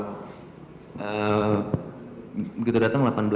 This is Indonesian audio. begitu datang delapan belas